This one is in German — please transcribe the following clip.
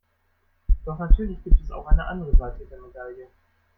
Doch natürlich gibt es auch eine andere Seite der Medaille.